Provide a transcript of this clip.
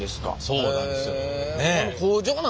そうなんですよ。